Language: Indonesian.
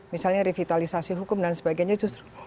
misalnya revitalisasi hukum dan sebagainya justru